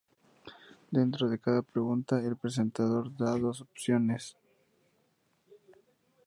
Dentro de cada pregunta, el presentador da dos opciones.